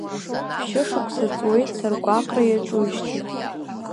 Ԥшьышықәса ҵуеит сыргәаҟра иаҿуижьҭеи.